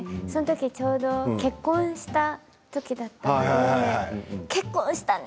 ちょうどその時結婚した時だったので結婚したね！